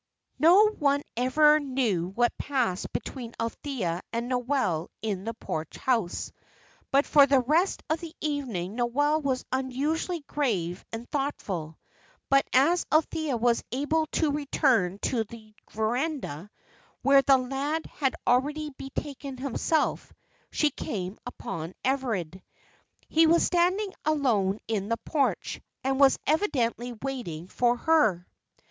No one ever knew what passed between Althea and Noel in the Porch House; but, for the rest of the evening, Noel was unusually grave and thoughtful. But as Althea was about to return to the verandah, where the lad had already betaken himself, she came upon Everard. He was standing alone in the porch, and was evidently waiting for her.